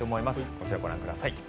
こちら、ご覧ください。